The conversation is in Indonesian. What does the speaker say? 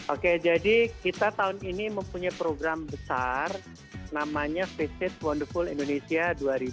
oke jadi kita tahun ini mempunyai program besar namanya face it wonderful indonesia dua ribu delapan belas